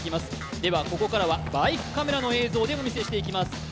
ではここからはバイクカメラの映像でお見せしていきます。